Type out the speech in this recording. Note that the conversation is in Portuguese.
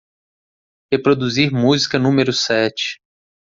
Reproduzir música número sete.